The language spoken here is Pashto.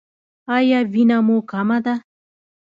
ایا وینه مو کمه ده؟